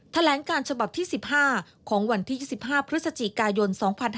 แถลงการฉบับที่๑๕ของวันที่๒๕พฤศจิกายน๒๕๕๙